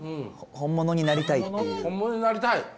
本物になりたい？